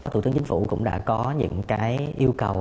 thủ tướng chính phủ cũng đã có những yêu cầu